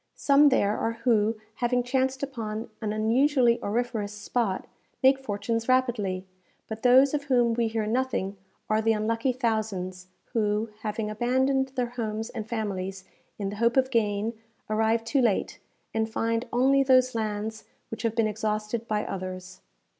Some there are who, having chanced upon an unusually auriferous spot, make fortunes rapidly; but those of whom we hear nothing are the unlucky thousands, who, having abandoned their homes and families in the hope of gain, arrive too late, and find only those lands which have been exhausted by others.